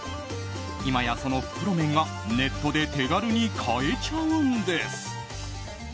今やその袋麺がネットで手軽に買えちゃうんです。